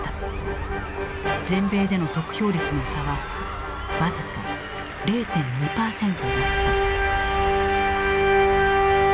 全米での得票率の差は僅か０．２％だった。